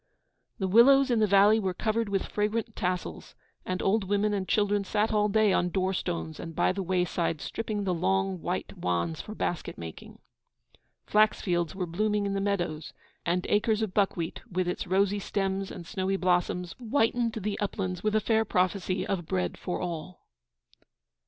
The willows in the valley were covered with fragrant tassels, and the old women and children sat all day on door stones and by the wayside stripping the long, white wands for basket making. Flax fields were blooming in the meadows, and acres of buckwheat, with its rosy stems and snowy blossoms, whitened the uplands with a fair prophecy of bread for all.